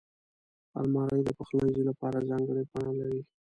الماري د پخلنځي لپاره ځانګړې بڼه لري